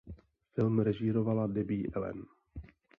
Film režírovala Debbie Allen.